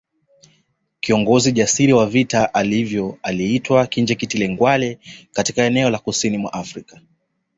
Kiongozi jasiri wa vita hivyo aliitwa Kinjekitile Ngwale katika eneo la kusini mwa Afrika